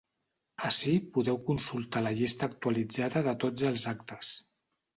Ací podeu consultar la llista actualitzada de tots els actes.